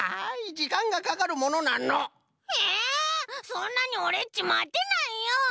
そんなにオレっちまてないよ！